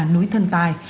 núi thần tài